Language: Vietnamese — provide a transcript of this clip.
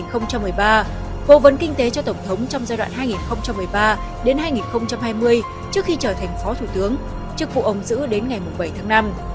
hộ vấn kinh tế cho tổng thống trong giai đoạn hai nghìn một mươi ba đến hai nghìn hai mươi trước khi trở thành phó thủ tướng chức vụ ông giữ đến ngày bảy tháng năm